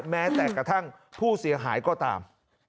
แม้แต่กระทั่งผู้เสียหายก็ตาม